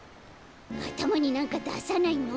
あたまになんかださないの？